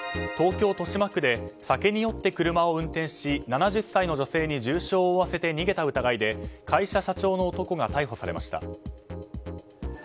東京・豊島区で酒に酔って車を運転し７０歳の女性に重傷を負わせて逃げた疑いで会社社長の男が逮捕されました。